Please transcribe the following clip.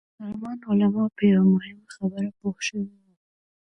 مسلمان علما په یوه مهمه خبره پوه شوي وو.